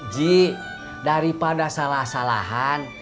ji daripada salah salahan